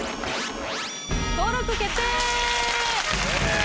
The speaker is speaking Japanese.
登録決定！